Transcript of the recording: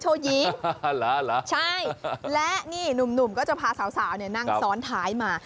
ีใช่และนี่หนุ่มก็จะพาสาวเนี่ยนั่งซ้อนท้ายมา